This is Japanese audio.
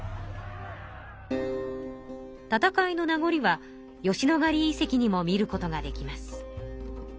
戦いのなごりは吉野ヶ里遺跡にも見ることができます。